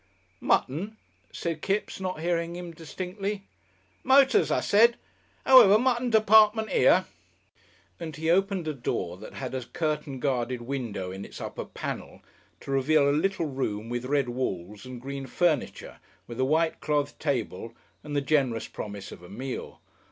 "Mutton?" said Kipps, not hearing him distinctly. "Motors, I said.... 'Owever, Mutton Department 'ere," and he opened a door that had a curtain guarded window in its upper panel, to reveal a little room with red walls and green furniture, with a white clothed table and the generous promise of a meal.